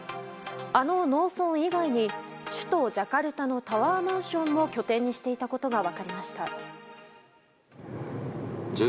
あの農村以外に首都ジャカルタのタワーマンションも拠点にしていたことが分かりました。